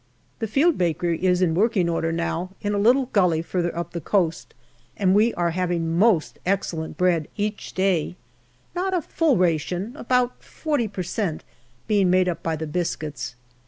The field bakery is in working order now, in a little gully further up the coast, and we are having most excellent bread each day not a full ration, about 40 per cent, being made tfp by the biscuits.